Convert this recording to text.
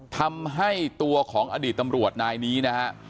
ทำให้ตัวของอดีตตำรวจนายนี้นะฮะ